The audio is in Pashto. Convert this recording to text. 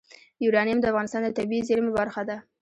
یورانیم د افغانستان د طبیعي زیرمو برخه ده.